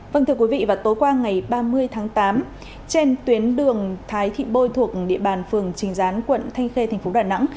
vâng thưa quý vị vào tối qua ngày ba mươi tháng tám trên tuyến đường thái thị bôi thuộc địa bàn phường chính gián quận thanh khê thành phố đà nẵng